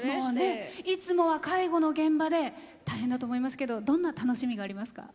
いつもは介護の現場で大変だと思いますけどどんな楽しみがありますか？